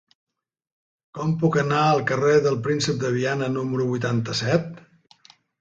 Com puc anar al carrer del Príncep de Viana número vuitanta-set?